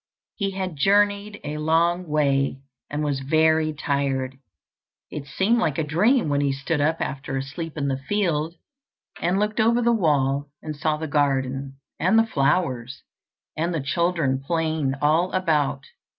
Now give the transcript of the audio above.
He had journeyed a long way, and was very tired. It seemed like a dream when he stood up after a sleep in the field, and looked over the wall, and saw the garden, and the flowers, and the children playing all about.